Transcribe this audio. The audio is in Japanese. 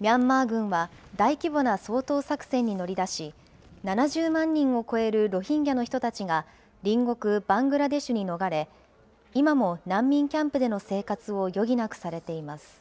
ミャンマー軍は大規模な掃討作戦に乗り出し、７０万人を超えるロヒンギャの人たちが隣国バングラデシュに逃れ、今も難民キャンプでの生活を余儀なくされています。